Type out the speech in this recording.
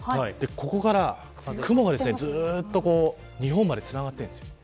ここから雲がずっと日本までつながっているんです。